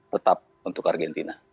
tetap untuk argentina